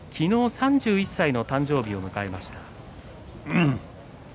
昨日３１歳の誕生日を迎えました。